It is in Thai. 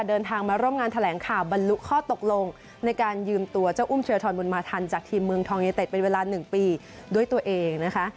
เดินทางมาร่วมงานแถลงข่าวบรรลุข้อตกลงในการยืมตัวเจ้าอุ้มเทียทรบุญมาทันจากทีมเมืองทองยูเต็ดเป็นเวลา๑ปีด้วยตัวเองนะคะ